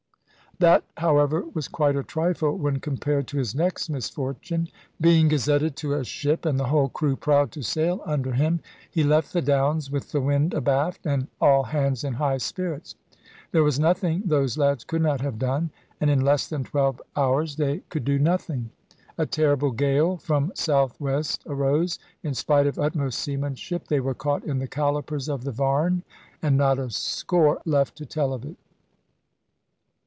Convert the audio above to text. That, however, was quite a trifle, when compared to his next misfortune. Being gazetted to a ship, and the whole crew proud to sail under him, he left the Downs with the wind abaft, and all hands in high spirits. There was nothing those lads could not have done; and in less than twelve hours they could do nothing. A terrible gale from south west arose; in spite of utmost seamanship they were caught in the callipers of the Varne, and not a score left to tell of it.